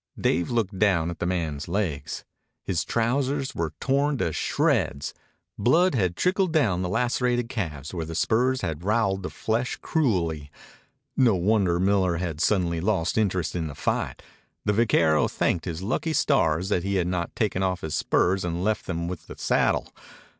Dave looked down at the man's legs. His trousers were torn to shreds. Blood trickled down the lacerated calves where the spurs had roweled the flesh cruelly. No wonder Miller had suddenly lost interest in the fight. The vaquero thanked his lucky stars that he had not taken off his spurs and left them with the saddle.